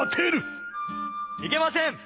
・いけません！